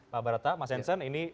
pak barta mas henson ini